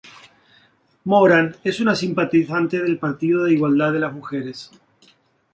Moran es una simpatizante del Partido de Igualdad de las Mujeres.